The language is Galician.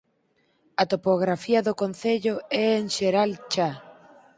A topografía do concello é en xeral chá.